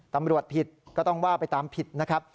ตำรวจผิดก็ต้องว่าไปตามผิดนะครับ